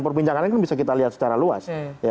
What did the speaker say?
perbincangannya kan bisa kita lihat secara luas